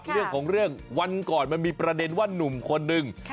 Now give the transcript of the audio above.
เรื่องของเรื่องวันก่อนมันมีประเด็นว่านุ่มคนนึง